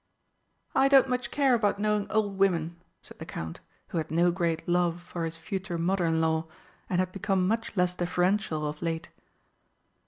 "I don't much care about knowing old women," said the Count, who had no great love for his future mother in law, and had become much less deferential of late.